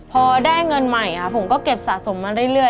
พอได้เงินใหม่ผมก็เก็บสะสมมาเรื่อย